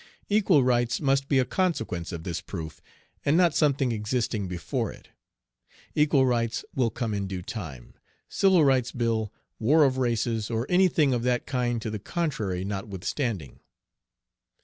Equal rights must be a consequence of this proof, and not something existing before it. Equal rights will come in due time, civil rights bill, war of races, or any thing of that kind to the contrary not withstanding.